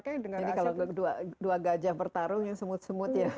kalau dua gajah bertarung yang semut semut ya